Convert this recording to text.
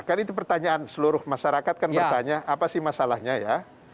kan itu pertanyaan seluruh masyarakat kan bertanya apa sih masalahnya ya